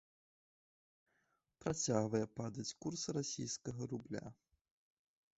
Працягвае падаць курс расійскага рубля.